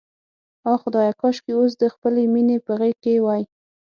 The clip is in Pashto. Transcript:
آه خدایه، کاشکې اوس د خپلې مینې په غېږ کې وای.